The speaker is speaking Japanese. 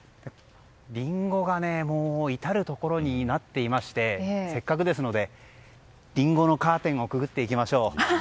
リンゴが至るところになっていましてせっかくですので、リンゴのカーテンをくぐっていきましょう。